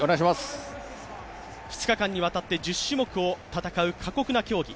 ２日間にわたって１０種目を戦う過酷な競技。